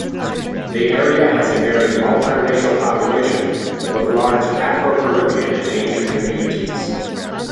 The area has a very multi-racial population, with large Afro-Caribbean and Asian communities.